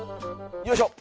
よいしょ。